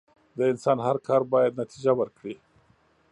د انسان هر کار بايد نتیجه ورکړي.